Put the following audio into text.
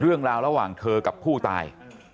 เรื่องราวระหว่างเธอกับผู้ตาย